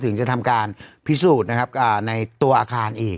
ถึงจะทำการพิสูจน์นะครับในตัวอาคารอีก